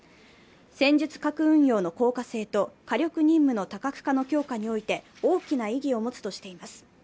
戦術核運用の効果性と火力任務の多角化の強化において大きな意義を持つとしています。